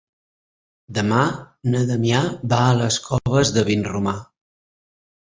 Demà na Damià va a les Coves de Vinromà.